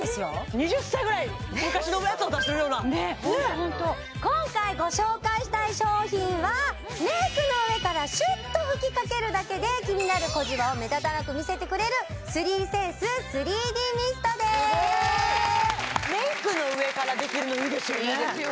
２０歳ぐらい昔のやつを出してるようなねえホントホント今回ご紹介したい商品はメイクの上からシュッと吹きかけるだけで気になるメイクの上からできるのいいですよね